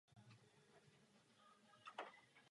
Všechny potřebné práce však ještě nebyly úplně zakončeny.